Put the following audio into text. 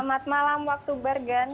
selamat malam waktu bergen